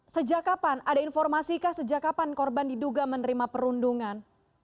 sejak kapan ada informasikah sejak kapan korban diduga menerima perundungan